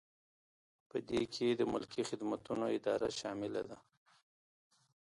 په دې کې د ملکي خدمتونو اداره شامله ده.